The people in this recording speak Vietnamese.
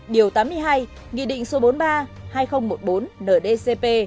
điều tám mươi hai nghị định số bốn mươi ba hai nghìn một mươi bốn ndcp